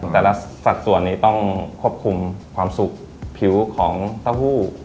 แต่ละสัดส่วนนี้ต้องควบคุมความสุขผิวของเต้าหู้